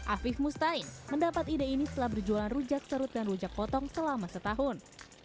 afif mustain mendapat ide ini setelah berjualan rujak serut dan rujak potong selama setahun